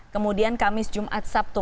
kemudian kamis jumat sabtu